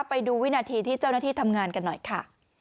ไปดูวินาทีที่เจ้าหน้าที่ทำงานกันหน่อยค่ะ